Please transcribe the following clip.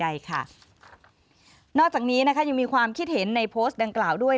ใดค่ะนอกจากนี้นะคะยังมีความคิดเห็นในโพสต์ดังกล่าวด้วย